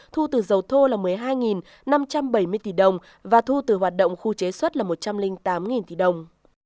thu từ dầu thô là một mươi hai năm trăm bảy mươi tỷ đồng và thu từ hoạt động khu chế xuất là một trăm linh tám tỷ đồng